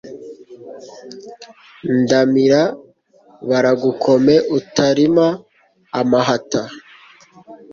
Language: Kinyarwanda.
Ndamira baragukome utarima amahata,